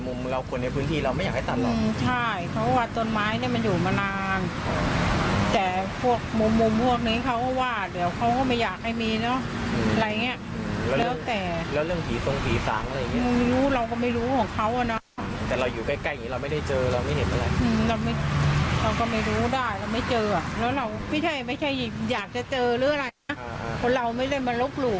ไม่เจอหรืออะไรนะคนเราไม่ได้มาลุกหลุกห่วงไม่มองไม่เห็นเนาะ